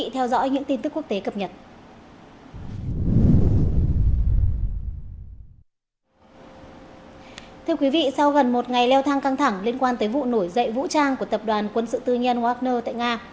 thưa quý vị sau gần một ngày leo thang căng thẳng liên quan tới vụ nổi dậy vũ trang của tập đoàn quân sự tư nhân wagner tại nga